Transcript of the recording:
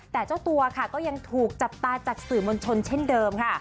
แต่เจ้าตัวค่ะก็ยังถูกจับตาจากสื่อมวลชนเช่นเดิมค่ะ